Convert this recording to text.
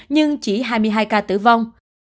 nhưng chỉ hai mươi hai ca tử vong